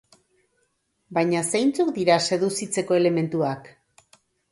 Baina zeintzuk dira seduzitzeko elementuak?